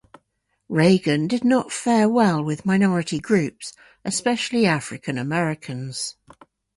Reagan did not fare well with minority groups, especially African-Americans.